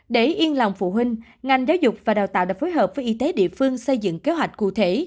để yên lòng phụ huynh ngành giáo dục và đào tạo đã phối hợp với y tế địa phương xây dựng kế hoạch cụ thể